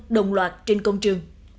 đồng loạt trên công trường